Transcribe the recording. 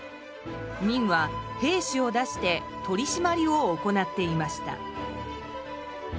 明は兵士を出して取り締まりを行っていました。